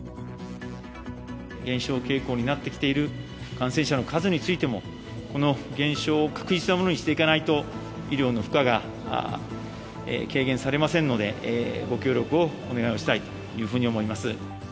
減少傾向になってきている感染者の数についても、この減少を確実なものにしていかないと、医療の負荷が軽減されませんので、ご協力をお願いしたいというふうに思います。